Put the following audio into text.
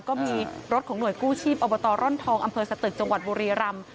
ก็มีรถของหน่วยกู้ชีพอบตร่อนทองอำเภอสตึกจังหวัดบุรีรำ